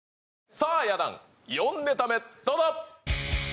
さあや団４ネタ目どうぞ！